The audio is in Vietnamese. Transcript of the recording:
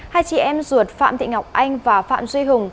hai chị em ruột phạm thị ngọc anh và phạm duy hùng